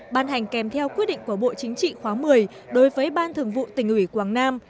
ban hành kèm theo quyết định của bộ chính trị khóa một mươi đối với ban thường vụ tỉnh ủy quảng nam